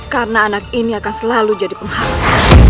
karena anak ini akan selalu jadi penghalang